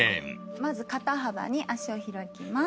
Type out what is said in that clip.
まず肩幅に足を開きます。